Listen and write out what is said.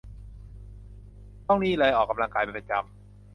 ต้องนี่เลยออกกำลังกายเป็นประจำ